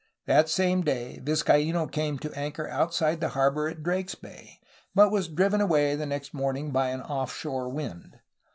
That same day Vizcaino came to anchor outside the harbor at Drake^s Bay, but was driven away the next morning by an offshore wind.